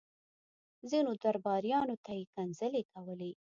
ځينو درباريانو ته يې کنځلې کولې.